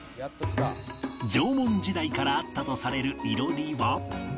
縄文時代からあったとされる囲炉裏は